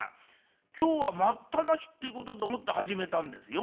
今日は『待ったなし』ってことでもって始めたんですよ。